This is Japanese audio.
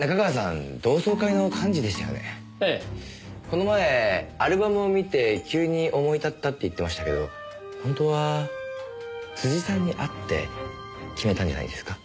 この前アルバムを見て急に思い立ったって言ってましたけど本当は辻さんに会って決めたんじゃないですか？